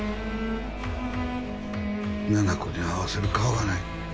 七菜子に合わせる顔がない